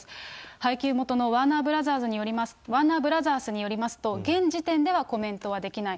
配給元のワーナーブラザースによりますと、現時点ではコメントはできない。